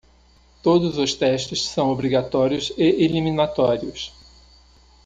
Todos os testes são obrigatórios e eliminatórios.